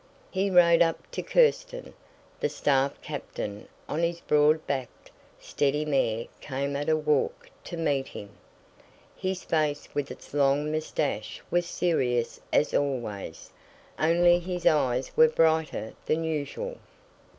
He rode up to Kírsten. The staff captain on his broad backed, steady mare came at a walk to meet him. His face with its long mustache was serious as always, only his eyes were brighter than usual.